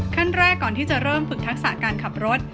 ขั้นแรกก่อนที่จะเริ่มฝึกทักษะการขับรถ